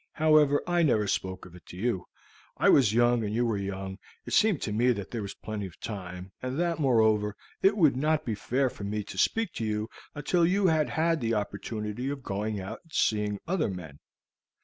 However, I never spoke of it to you. I was young and you were young. It seemed to me that there was plenty of time, and that, moreover, it would not be fair for me to speak to you until you had had the opportunity of going out and of seeing other men.